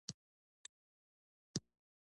زه د نرمو وړیو احساس خوښوم.